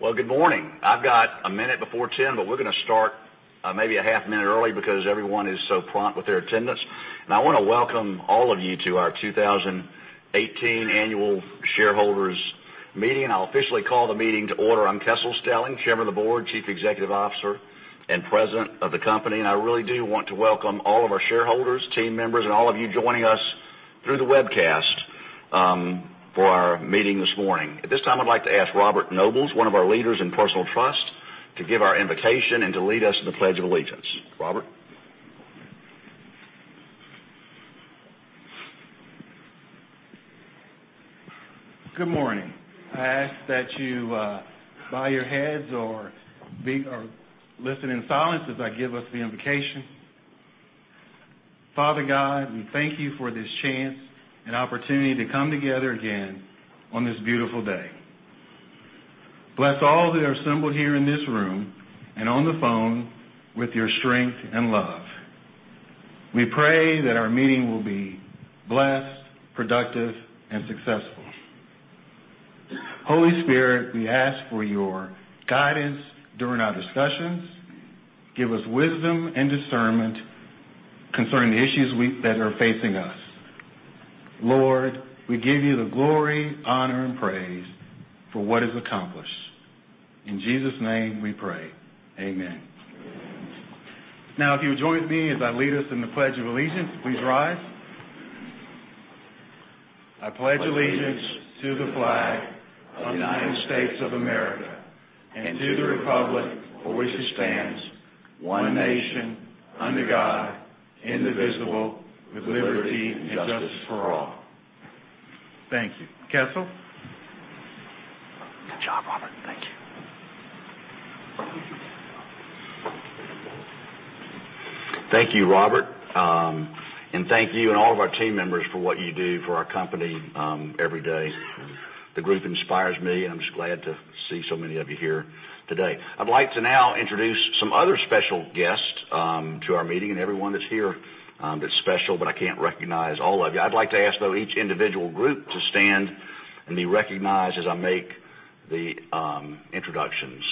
Well, good morning. I've got a minute before 10:00. We're going to start maybe a half minute early because everyone is so prompt with their attendance. I want to welcome all of you to our 2018 annual shareholders meeting. I'll officially call the meeting to order. I'm Kessel Stelling, Chairman of the Board, Chief Executive Officer, and President of the company. I really do want to welcome all of our shareholders, team members, and all of you joining us through the webcast, for our meeting this morning. At this time, I'd like to ask Robert Nobles, one of our leaders in personal trust, to give our invocation and to lead us in the Pledge of Allegiance. Robert? Good morning. I ask that you bow your heads or listen in silence as I give us the invocation. Father God, we thank you for this chance and opportunity to come together again on this beautiful day. Bless all who are assembled here in this room and on the phone with your strength and love. We pray that our meeting will be blessed, productive, and successful. Holy Spirit, we ask for your guidance during our discussions. Give us wisdom and discernment concerning the issues that are facing us. Lord, we give you the glory, honor, and praise for what is accomplished. In Jesus' name, we pray. Amen. Amen. If you would join with me as I lead us in the Pledge of Allegiance. Please rise. I pledge allegiance to the flag of the United States of America, to the Republic for which it stands, one nation under God, indivisible, with liberty and justice for all. Thank you. Kessel? Good job, Robert. Thank you. Thank you, Robert. Thank you and all of our team members for what you do for our company every day. The group inspires me, and I'm just glad to see so many of you here today. I'd like to now introduce some other special guests to our meeting. Everyone that's here is special, but I can't recognize all of you. I'd like to ask, though, each individual group to stand and be recognized as I make the introductions.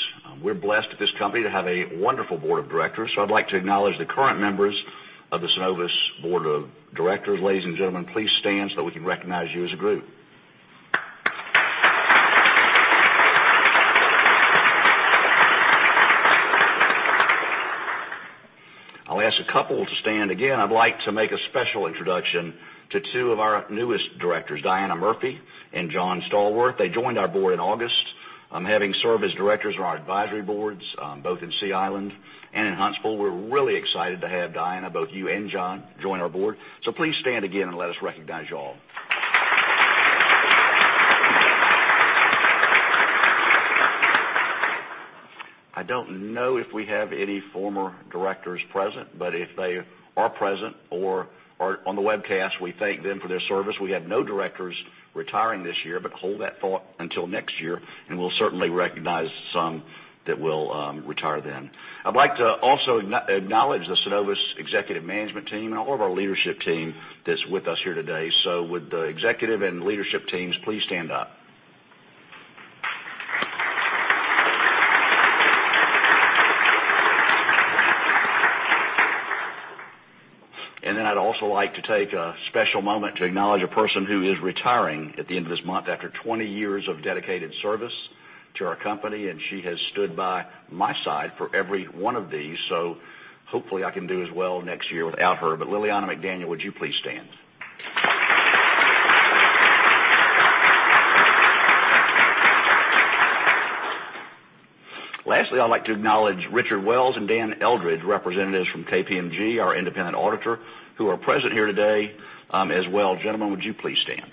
We're blessed at this company to have a wonderful board of directors, so I'd like to acknowledge the current members of the Synovus board of directors. Ladies and gentlemen, please stand so we can recognize you as a group. I'll ask a couple to stand again. I'd like to make a special introduction to two of our newest directors, Diana Murphy and John Stallworth. They joined our board in August. Having served as directors on our advisory boards, both in Sea Island and in Huntsville, we're really excited to have Diana, both you and John, join our board. Please stand again and let us recognize you all. I don't know if we have any former directors present, but if they are present or are on the webcast, we thank them for their service. We have no directors retiring this year, but hold that thought until next year, and we'll certainly recognize some that will retire then. I'd like to also acknowledge the Synovus executive management team and all of our leadership team that's with us here today. Would the executive and leadership teams please stand up? I'd also like to take a special moment to acknowledge a person who is retiring at the end of this month after 20 years of dedicated service to our company. She has stood by my side for every one of these, so hopefully, I can do as well next year without her. Liliana McDaniel, would you please stand? Lastly, I'd like to acknowledge Richard Wells and Dan Eldridge, representatives from KPMG, our independent auditor, who are present here today as well. Gentlemen, would you please stand?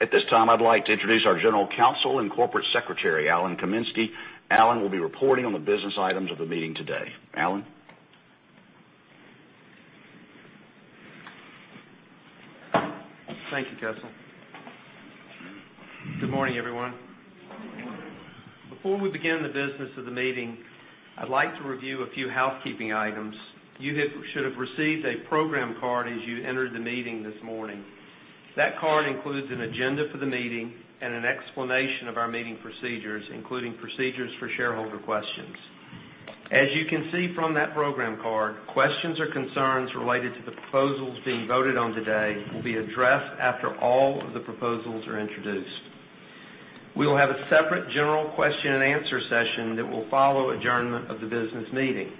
At this time, I'd like to introduce our General Counsel and Corporate Secretary, Allan Kamensky. Allan will be reporting on the business items of the meeting today. Allan? Thank you, Kessel. Good morning, everyone. Good morning. Before we begin the business of the meeting, I'd like to review a few housekeeping items. You should have received a program card as you entered the meeting this morning. That card includes an agenda for the meeting and an explanation of our meeting procedures, including procedures for shareholder questions. As you can see from that program card, questions or concerns related to the proposals being voted on today will be addressed after all of the proposals are introduced. We will have a separate general question and answer session that will follow adjournment of the business meeting.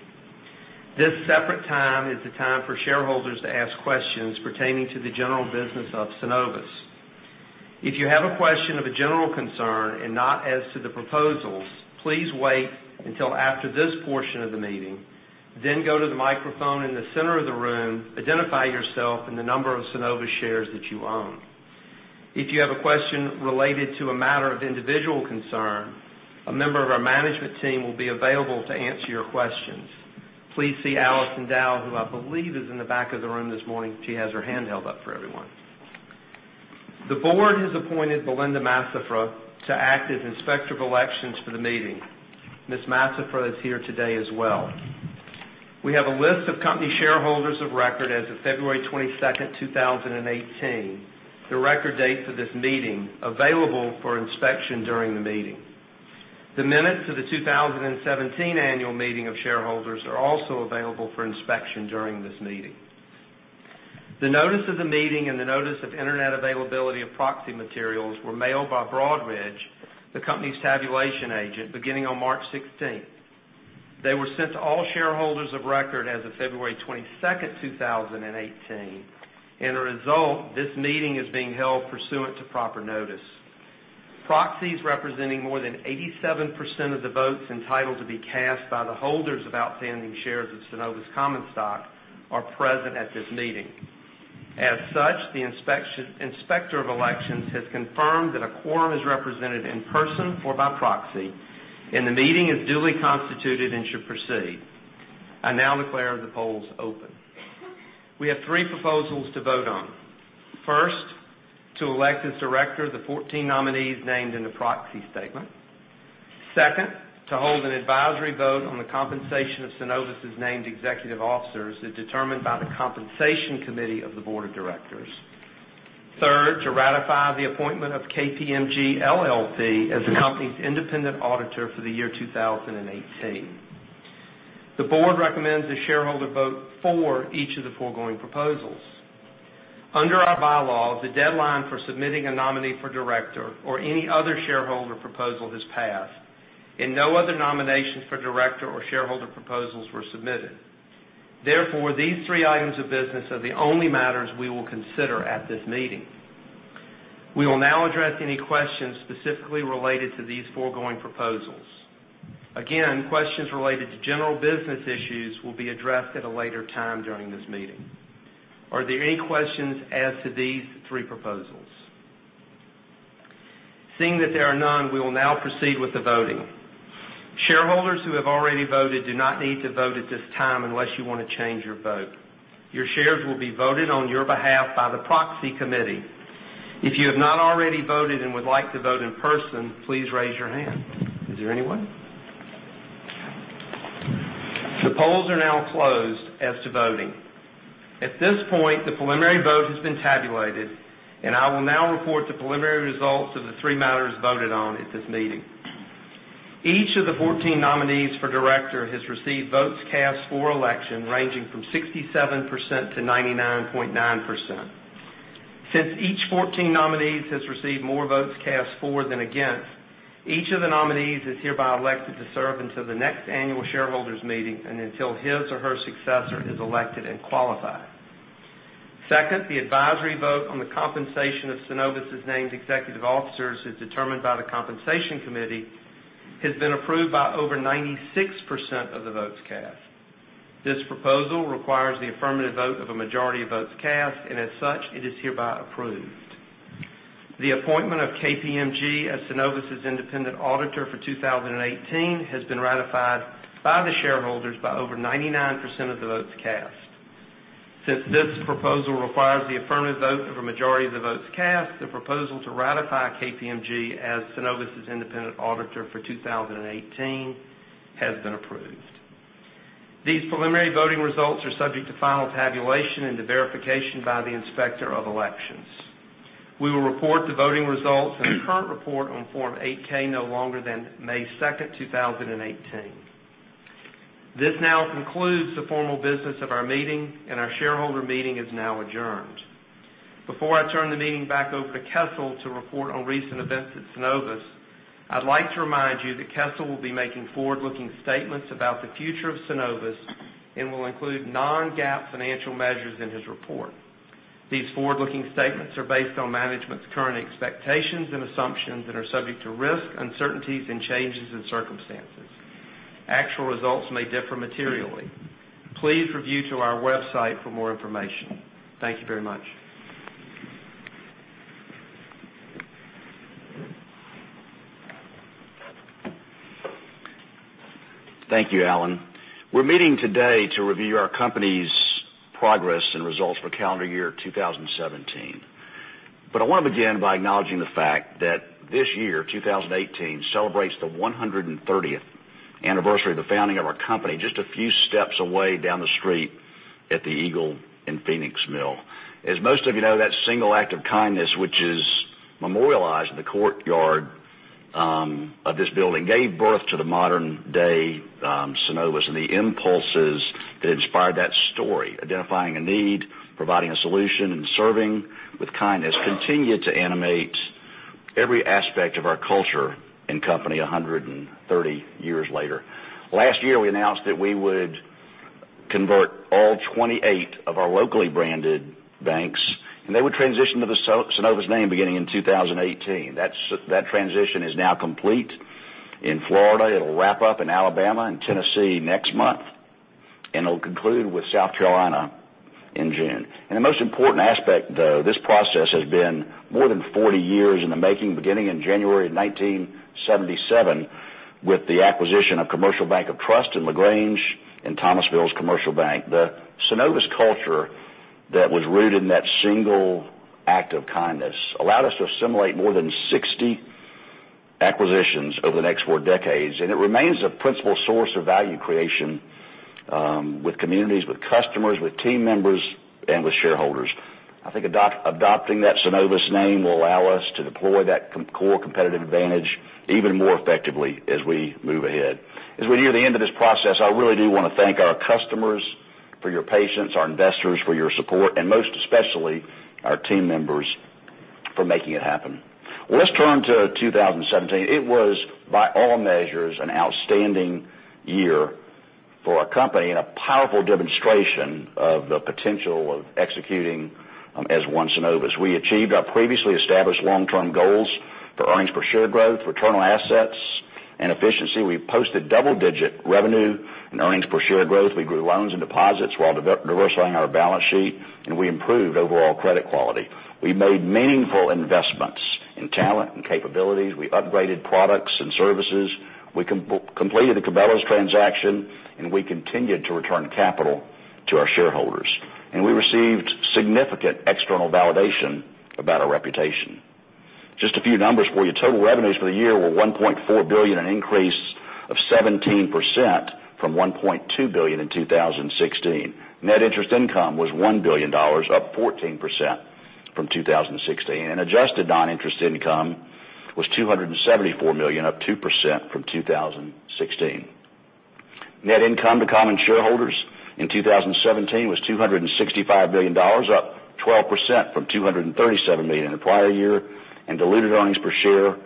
This separate time is the time for shareholders to ask questions pertaining to the general business of Synovus. If you have a question of a general concern and not as to the proposals, please wait until after this portion of the meeting, then go to the microphone in the center of the room, identify yourself and the number of Synovus shares that you own. If you have a question related to a matter of individual concern, a member of our management team will be available to answer your questions. Please see Alison Dowe, who I believe is in the back of the room this morning. She has her hand held up for everyone. The board has appointed Belinda Massafra to act as Inspector of Elections for the meeting. Ms. Massafra is here today as well. We have a list of company shareholders of record as of February 22, 2018, the record date for this meeting, available for inspection during the meeting. The minutes of the 2017 annual meeting of shareholders are also available for inspection during this meeting. The notice of the meeting and the notice of internet availability of proxy materials were mailed by Broadridge, the company's tabulation agent, beginning on March 16th. They were sent to all shareholders of record as of February 22, 2018. As a result, this meeting is being held pursuant to proper notice. Proxies representing more than 87% of the votes entitled to be cast by the holders of outstanding shares of Synovus common stock are present at this meeting. As such, the inspector of elections has confirmed that a quorum is represented in person or by proxy, and the meeting is duly constituted and should proceed. I now declare the polls open. We have three proposals to vote on. First, to elect as director the 14 nominees named in the proxy statement. Second, to hold an advisory vote on the compensation of Synovus' named executive officers as determined by the compensation committee of the board of directors. Third, to ratify the appointment of KPMG LLP as the company's independent auditor for the year 2018. The board recommends a shareholder vote for each of the foregoing proposals. Under our bylaws, the deadline for submitting a nominee for director or any other shareholder proposal has passed, and no other nominations for director or shareholder proposals were submitted. Therefore, these three items of business are the only matters we will consider at this meeting. We will now address any questions specifically related to these foregoing proposals. Again, questions related to general business issues will be addressed at a later time during this meeting. Are there any questions as to these three proposals? Seeing that there are none, we will now proceed with the voting. Shareholders who have already voted do not need to vote at this time unless you want to change your vote. Your shares will be voted on your behalf by the proxy committee. If you have not already voted and would like to vote in person, please raise your hand. Is there anyone? The polls are now closed as to voting. At this point, the preliminary vote has been tabulated, and I will now report the preliminary results of the three matters voted on at this meeting. Each of the 14 nominees for director has received votes cast for election ranging from 67% to 99.9%. Since each 14 nominees has received more votes cast for than against, each of the nominees is hereby elected to serve until the next annual shareholders meeting and until his or her successor is elected and qualified. Second, the advisory vote on the compensation of Synovus' named executive officers, as determined by the Compensation Committee, has been approved by over 96% of the votes cast. This proposal requires the affirmative vote of a majority of votes cast, and as such, it is hereby approved. The appointment of KPMG as Synovus' independent auditor for 2018 has been ratified by the shareholders by over 99% of the votes cast. Since this proposal requires the affirmative vote of a majority of the votes cast, the proposal to ratify KPMG as Synovus' independent auditor for 2018 has been approved. These preliminary voting results are subject to final tabulation and to verification by the Inspector of Elections. We will report the voting results in a current report on Form 8-K no longer than May 2, 2018. This now concludes the formal business of our meeting, and our shareholder meeting is now adjourned. Before I turn the meeting back over to Kessel to report on recent events at Synovus, I'd like to remind you that Kessel will be making forward-looking statements about the future of Synovus and will include non-GAAP financial measures in his report. These forward-looking statements are based on management's current expectations and assumptions that are subject to risks, uncertainties, and changes in circumstances. Actual results may differ materially. Please review to our website for more information. Thank you very much. Thank you, Allan. We're meeting today to review our company's progress and results for calendar year 2017. I want to begin by acknowledging the fact that this year, 2018, celebrates the 130th anniversary of the founding of our company, just a few steps away down the street at the Eagle & Phenix Mill. As most of you know, that single act of kindness, which is memorialized in the courtyard of this building, gave birth to the modern-day Synovus and the impulses that inspired that story, identifying a need, providing a solution, and serving with kindness, continue to animate every aspect of our culture and company 130 years later. Last year, we announced that we would convert all 28 of our locally branded banks, and they would transition to the Synovus name beginning in 2018. That transition is now complete in Florida. It'll wrap up in Alabama and Tennessee next month, it'll conclude with South Carolina in June. The most important aspect, though, this process has been more than 40 years in the making, beginning in January 1977, with the acquisition of Commercial Bank of Trust in LaGrange and Thomasville's Commercial Bank. The Synovus culture that was rooted in that single act of kindness allowed us to assimilate more than 60 acquisitions over the next four decades, it remains a principal source of value creation, with communities, with customers, with team members, and with shareholders. I think adopting that Synovus name will allow us to deploy that core competitive advantage even more effectively as we move ahead. As we near the end of this process, I really do want to thank our customers for your patience, our investors for your support, and most especially, our team members for making it happen. Let's turn to 2017. It was, by all measures, an outstanding year for our company and a powerful demonstration of the potential of executing as one Synovus. We achieved our previously established long-term goals for earnings per share growth, return on assets, and efficiency. We posted double-digit revenue and earnings per share growth. We grew loans and deposits while de-risking our balance sheet, and we improved overall credit quality. We made meaningful investments in talent and capabilities. We upgraded products and services. We completed the Cabela's transaction, we continued to return capital to our shareholders. We received significant external validation about our reputation. Just a few numbers for you. Total revenues for the year were $1.4 billion, an increase of 17% from $1.2 billion in 2016. Net interest income was $1 billion, up 14% from 2016. Adjusted non-interest income was $274 million, up 2% from 2016. Net income to common shareholders in 2017 was $265 million, up 12% from $237 million in the prior year. Diluted EPS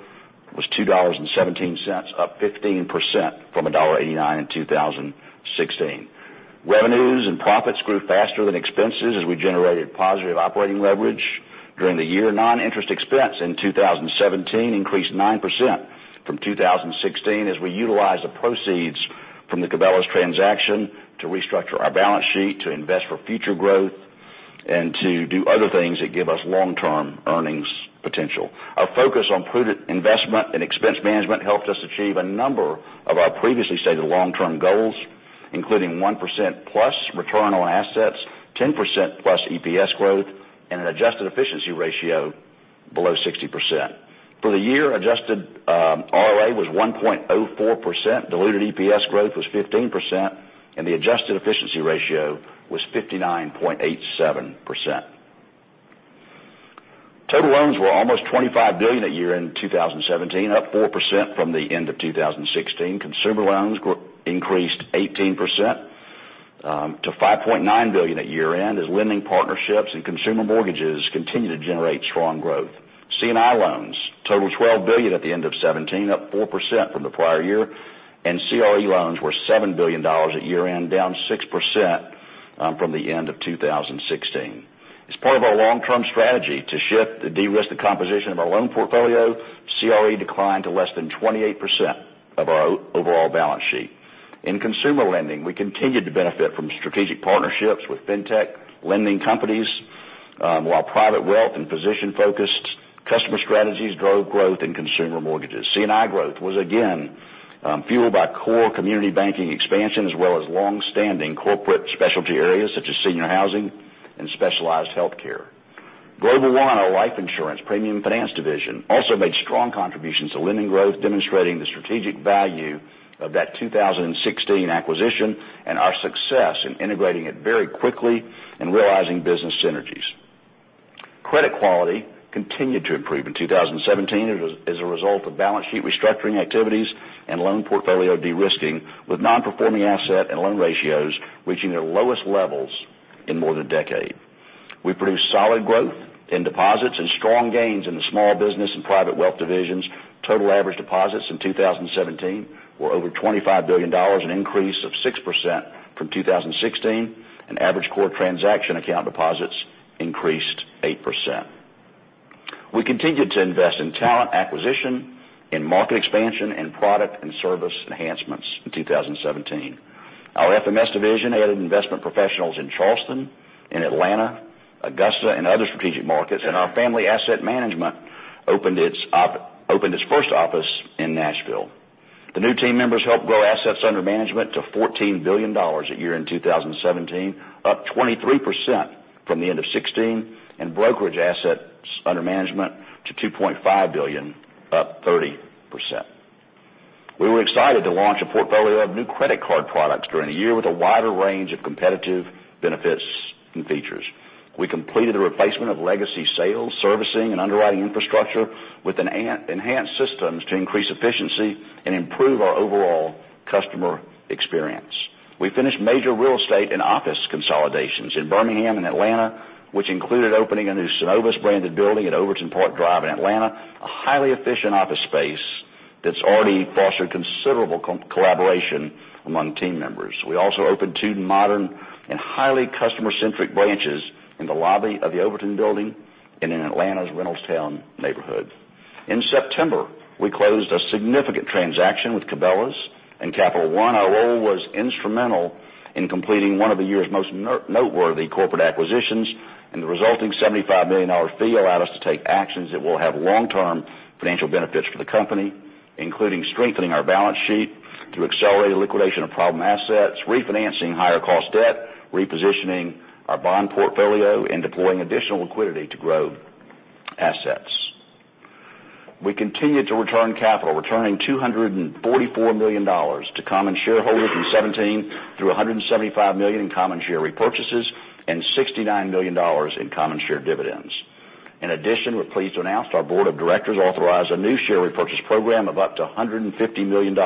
was $2.17, up 15% from $1.89 in 2016. Revenues and profits grew faster than expenses as we generated positive operating leverage during the year. Non-interest expense in 2017 increased 9% from 2016 as we utilized the proceeds from the Cabela's transaction to restructure our balance sheet, to invest for future growth, and to do other things that give us long-term earnings potential. Our focus on prudent investment and expense management helped us achieve a number of our previously stated long-term goals, including 1%+ return on assets, 10%+ EPS growth, and an adjusted efficiency ratio below 60%. For the year, adjusted ROA was 1.04%, diluted EPS growth was 15%, and the adjusted efficiency ratio was 59.87%. Total loans were almost $25 billion at year-end 2017, up 4% from the end of 2016. Consumer loans increased 18% to $5.9 billion at year-end, as lending partnerships and consumer mortgages continue to generate strong growth. C&I loans total $12 billion at the end of 2017, up 4% from the prior year, and CRE loans were $7 billion at year-end, down 6% from the end of 2016. As part of our long-term strategy to shift the de-risked composition of our loan portfolio, CRE declined to less than 28% of our overall balance sheet. In consumer lending, we continued to benefit from strategic partnerships with fintech lending companies, while private wealth and position-focused customer strategies drove growth in consumer mortgages. C&I growth was again fueled by core community banking expansion, as well as longstanding corporate specialty areas such as senior housing and specialized healthcare. Global One, our life insurance premium finance division, also made strong contributions to lending growth, demonstrating the strategic value of that 2016 acquisition and our success in integrating it very quickly and realizing business synergies. Credit quality continued to improve in 2017 as a result of balance sheet restructuring activities and loan portfolio de-risking, with non-performing asset and loan ratios reaching their lowest levels in more than a decade. We produced solid growth in deposits and strong gains in the small business and private wealth divisions. Total average deposits in 2017 were over $25 billion, an increase of 6% from 2016. Average core transaction account deposits increased 8%. We continued to invest in talent acquisition, in market expansion, product and service enhancements in 2017. Our FMS division added investment professionals in Charleston, in Atlanta, Augusta, and other strategic markets, and our family asset management opened its first office in Nashville. The new team members helped grow assets under management to $14 billion at year-end 2017, up 23% from the end of 2016, and brokerage assets under management to $2.5 billion, up 30%. We were excited to launch a portfolio of new credit card products during the year with a wider range of competitive benefits and features. We completed a replacement of legacy sales, servicing, and underwriting infrastructure with enhanced systems to increase efficiency and improve our overall customer experience. We finished major real estate and office consolidations in Birmingham and Atlanta, which included opening a new Synovus-branded building at Overton Park Drive in Atlanta, a highly efficient office space that's already fostered considerable collaboration among team members. We also opened two modern and highly customer-centric branches in the lobby of the Overton building and in Atlanta's Reynoldstown neighborhood. In September, we closed a significant transaction with Cabela's and Capital One. Our role was instrumental in completing one of the year's most noteworthy corporate acquisitions, and the resulting $75 million fee allowed us to take actions that will have long-term financial benefits for the company, including strengthening our balance sheet to accelerate liquidation of problem assets, refinancing higher-cost debt, repositioning our bond portfolio and deploying additional liquidity to grow assets. We continued to return capital, returning $244 million to common shareholders in 2017, through $175 million in common share repurchases, and $69 million in common share dividends. In addition, we're pleased to announce that our board of directors authorized a new share repurchase program of up to $150 million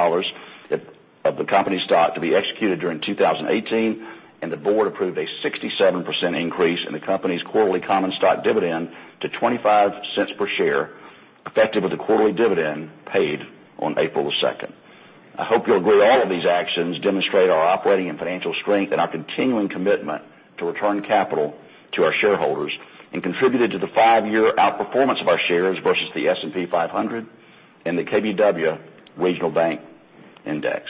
of the company stock to be executed during 2018. The board approved a 67% increase in the company's quarterly common stock dividend to $0.25 per share, effective with the quarterly dividend paid on April 2nd. I hope you'll agree all of these actions demonstrate our operating and financial strength, and our continuing commitment to return capital to our shareholders, and contributed to the five-year outperformance of our shares versus the S&P 500 and the KBW Regional Bank Index.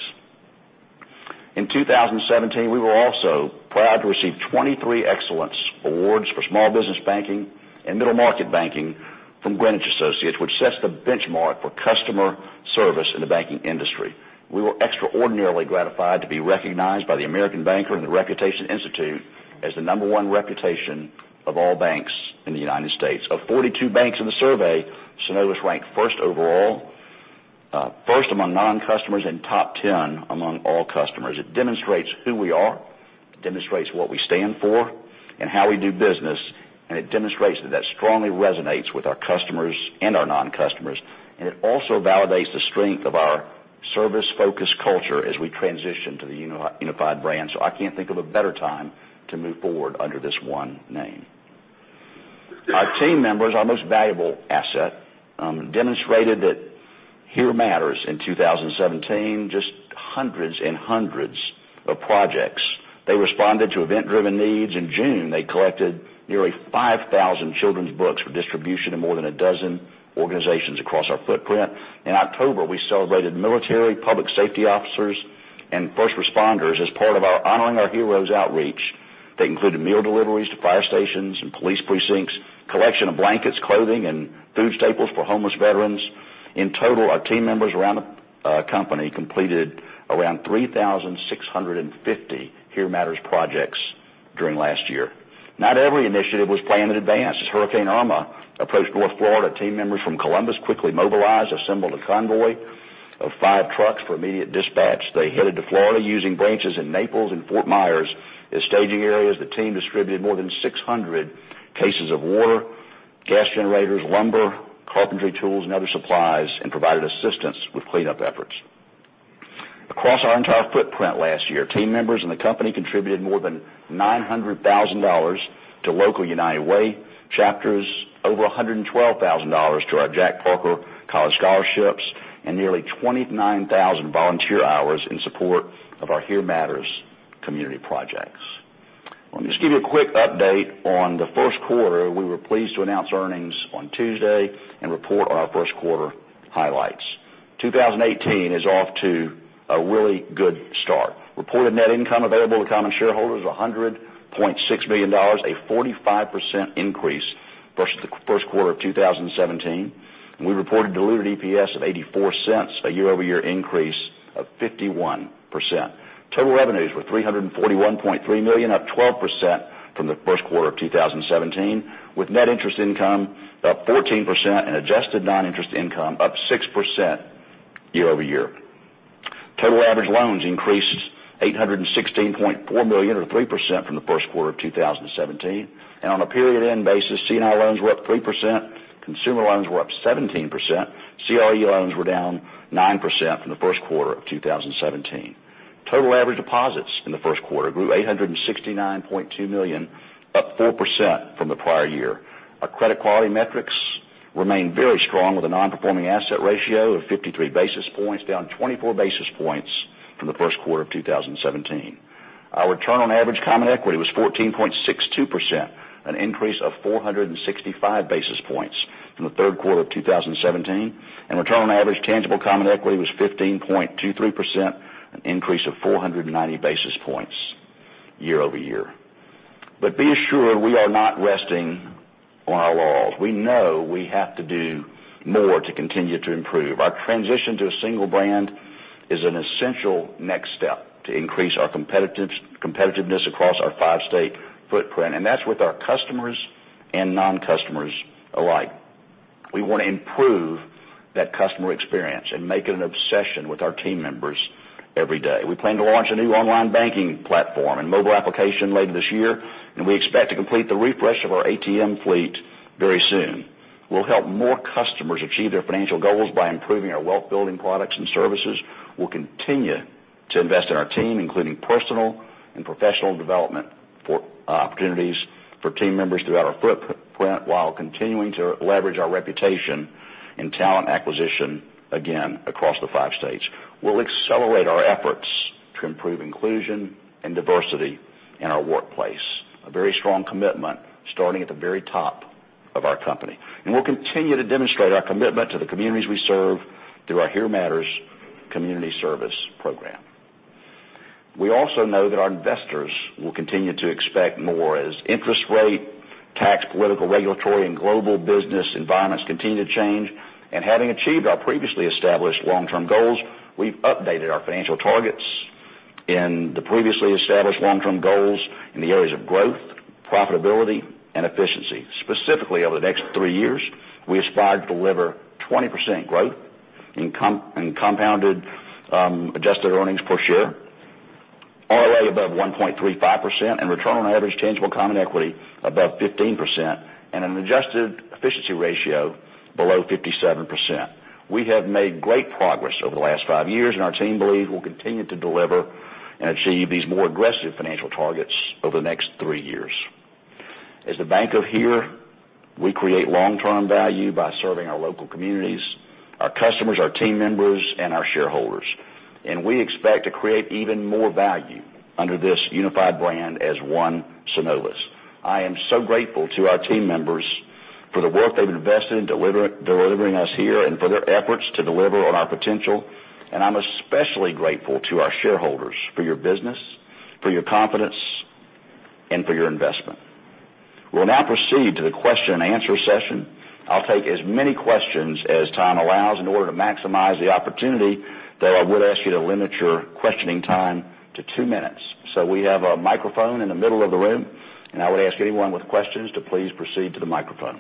In 2017, we were also proud to receive 23 Excellence Awards for small business banking and middle-market banking from Greenwich Associates, which sets the benchmark for customer service in the banking industry. We were extraordinarily gratified to be recognized by the American Banker and the Reputation Institute as the number one reputation of all banks in the U.S. Of 42 banks in the survey, Synovus ranked first overall, first among non-customers, and top 10 among all customers. It demonstrates who we are, it demonstrates what we stand for and how we do business, and it demonstrates that that strongly resonates with our customers and our non-customers. It also validates the strength of our service-focused culture as we transition to the unified brand. I can't think of a better time to move forward under this one name. Our team members, our most valuable asset, demonstrated that Here Matters in 2017, just hundreds and hundreds of projects. They responded to event-driven needs. In June, they collected nearly 5,000 children's books for distribution in more than a dozen organizations across our footprint. In October, we celebrated military public safety officers and first responders as part of our Honoring Our Heroes outreach. That included meal deliveries to fire stations and police precincts, collection of blankets, clothing, and food staples for homeless veterans. In total, our team members around the company completed around 3,650 Here Matters projects during last year. Not every initiative was planned in advance. As Hurricane Irma approached North Florida, team members from Columbus quickly mobilized, assembled a convoy of five trucks for immediate dispatch. They headed to Florida using branches in Naples and Fort Myers as staging areas. The team distributed more than 600 cases of water, gas generators, lumber, carpentry tools, and other supplies, and provided assistance with cleanup efforts. Across our entire footprint last year, team members and the company contributed more than $900,000 to local United Way chapters, over $112,000 to our Jack Parker Scholarship college scholarships, and nearly 29,000 volunteer hours in support of our Here Matters community projects. I want to just give you a quick update on the first quarter. We were pleased to announce earnings on Tuesday and report on our first quarter highlights. 2018 is off to a really good start. Reported net income available to common shareholders is $100.6 million, a 45% increase versus the first quarter of 2017. We reported diluted EPS of $0.84, a year-over-year increase of 51%. Total revenues were $341.3 million, up 12% from the first quarter of 2017, with net interest income up 14% and adjusted non-interest income up 6% year-over-year. Total average loans increased $816.4 million, or 3% from the first quarter of 2017. On a period end basis, C&I loans were up 3%, consumer loans were up 17%, CRE loans were down 9% from the first quarter of 2017. Total average deposits in the first quarter grew $869.2 million, up 4% from the prior year. Our credit quality metrics remain very strong with a non-performing asset ratio of 53 basis points, down 24 basis points from the first quarter of 2017. Our return on average common equity was 14.62%, an increase of 465 basis points from the third quarter of 2017. Return on average tangible common equity was 15.23%, an increase of 490 basis points year-over-year. Be assured we are not resting on our laurels. We know we have to do more to continue to improve. Our transition to a single brand is an essential next step to increase our competitiveness across our five-state footprint, and that's with our customers and non-customers alike. We want to improve that customer experience and make it an obsession with our team members every day. We plan to launch a new online banking platform and mobile application later this year, and we expect to complete the refresh of our ATM fleet very soon. We'll help more customers achieve their financial goals by improving our wealth-building products and services. We'll continue to invest in our team, including personal and professional development opportunities for team members throughout our footprint, while continuing to leverage our reputation and talent acquisition, again, across the five states. We'll accelerate our efforts to improve inclusion and diversity in our workplace. A very strong commitment starting at the very top of our company. We'll continue to demonstrate our commitment to the communities we serve through our Here Matters community service program. We also know that our investors will continue to expect more as interest rate, tax, political, regulatory, and global business environments continue to change. Having achieved our previously established long-term goals, we've updated our financial targets in the previously established long-term goals in the areas of growth, profitability, and efficiency. Specifically, over the next three years, we aspire to deliver 20% growth in compounded adjusted earnings per share, ROA above 1.35%, and return on average tangible common equity above 15%, and an adjusted efficiency ratio below 57%. We have made great progress over the last five years, our team believes we'll continue to deliver and achieve these more aggressive financial targets over the next three years. As The Bank of Here, we create long-term value by serving our local communities, our customers, our team members, and our shareholders. We expect to create even more value under this unified brand as one Synovus. I am so grateful to our team members for the work they've invested in delivering us here, and for their efforts to deliver on our potential. I'm especially grateful to our shareholders for your business, for your confidence, and for your investment. We'll now proceed to the question and answer session. I'll take as many questions as time allows. In order to maximize the opportunity, though, I would ask you to limit your questioning time to two minutes. We have a microphone in the middle of the room, I would ask anyone with questions to please proceed to the microphone.